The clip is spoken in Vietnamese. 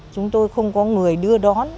chúng tôi không có người đưa đón